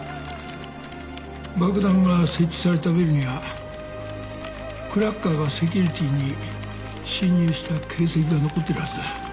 爆弾が設置されたビルにはクラッカーがセキュリティーに侵入した形跡が残ってるはずだ。